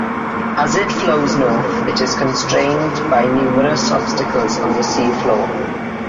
As it flows north, it is constrained by numerous obstacles on the seafloor.